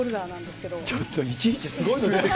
けれちょっといちいちすごいの出